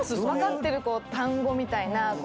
⁉分かってる単語みたいな。